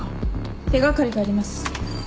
手掛かりがあります。